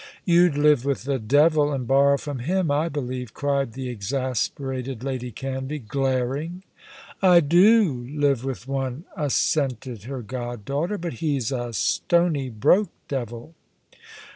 "You'd live with the devil and borrow from him, I believe," cried the exasperated Lady Canvey, glaring. "I do live with one," assented her god daughter; "but he's a stony broke devil."